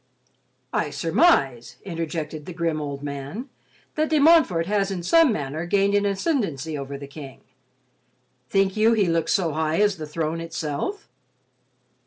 '" "I surmise," interjected the grim, old man, "that De Montfort has in some manner gained an ascendancy over the King. Think you he looks so high as the throne itself?"